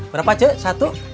berapa ce satu